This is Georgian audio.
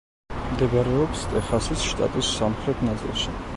მდებარეობს ტეხასის შტატის სამხრეთ ნაწილში.